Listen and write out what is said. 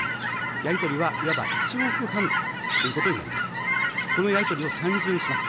やり取りはいわば１往復半ということになります。